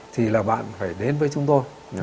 thì là bạn phải đến với chúng tôi